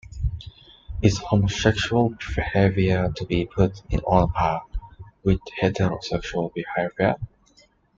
Is homosexual behaviour to be put on a par with heterosexual behaviour?